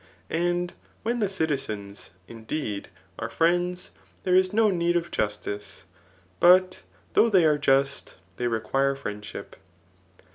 And when the citizens, indeed, are friends, there is no need of justice ; but though they are just, they require friendship.